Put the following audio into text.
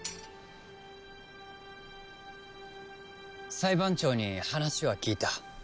裁判長に話は聞いた。